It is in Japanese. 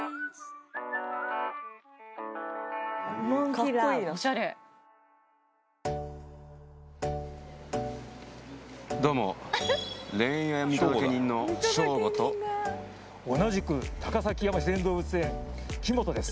かっこいいなおしゃれどうも恋愛見届け人のショーゴと同じく高崎山自然動物園木本です